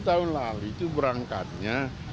dua puluh tahun lalu itu berangkatnya